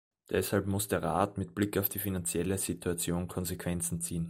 Deshalb muss der Rat mit Blick auf die finanzielle Situation Konsequenzen ziehen.